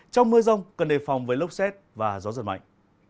trong mưa rông cần đề phòng với lốc xét và gió giật mạnh